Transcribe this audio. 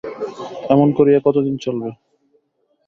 এমন করিয়া কতদিন চলিবে!